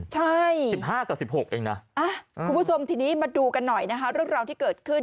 ใช่คุณผู้ชมมาดูกันหน่อยนะครับรุ่นราวที่เกิดขึ้น